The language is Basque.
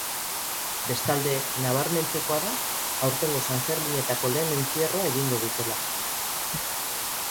Bestalde, nabarmentzekoa da aurtengo sanferminetako lehen entzierroa egingo dutela.